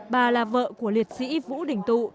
bà là vợ của liệt sĩ vũ đình tụ